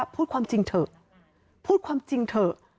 พูดความจริงเถอะพูดความจริงเถอะ